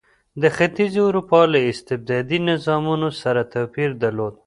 د ختیځې اروپا له استبدادي نظامونو سره توپیر درلود.